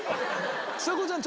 ちさ子ちゃん